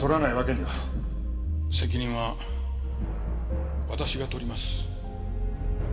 責任は私が取ります。